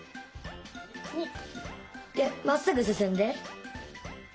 でまっすぐすすんで。